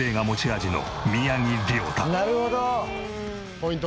ポイント